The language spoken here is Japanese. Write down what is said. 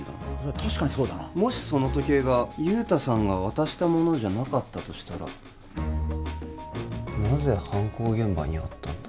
確かにそうだなもしその時計が雄太さんが渡したものじゃなかったとしたらなぜ犯行現場にあったんだ？